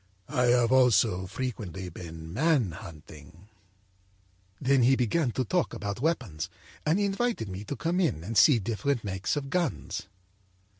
â'I have also frequently been man hunting.' âThen he began to talk about weapons, and he invited me to come in and see different makes of guns.